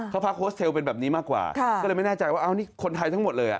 เขาพักโฮสเทลเป็นแบบนี้มากกว่าก็เลยไม่แน่ใจว่าอ้าวนี่คนไทยทั้งหมดเลยอ่ะ